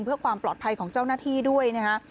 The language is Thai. เพื่อความปลอดภัยของเจ้าหน้าที่ด้วยนะฮะ